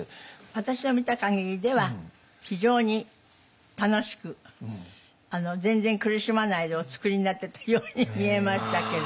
私が見た限りでは非常に楽しく全然苦しまないでお作りになってたように見えましたけど。